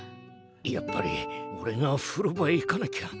やっぱりおれが風呂場へ行かなきゃ。